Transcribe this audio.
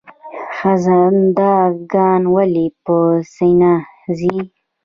خزنده ګان ولې په سینه ځي؟